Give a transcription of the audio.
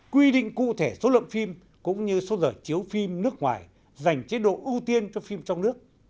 quy định cụ thể số lượng phim cũng như số giờ chiếu phim nước ngoài dành chế độ ưu tiên cho phim trong nước